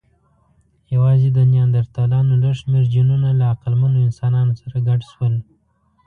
یواځې د نیاندرتالانو لږ شمېر جینونه له عقلمنو انسانانو سره ګډ شول.